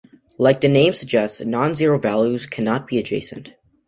Like the name suggests, non-zero values cannot be adjacent.